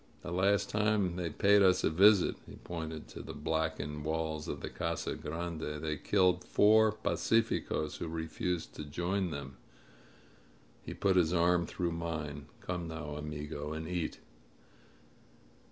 The last time they paid us a visit" (he pointed to the blackened walls of the Casa Grande) "they killed four pacificos who refused to join them." He put his arm through mine. "Come now, amigo, and eat."